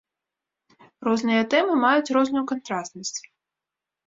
Розныя тэмы маюць розную кантрастнасць.